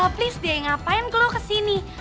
please deh ngapain ke lu kesini